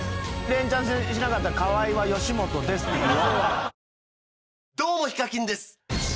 レンチャンしなかったら「河合は吉本です」って言うよ。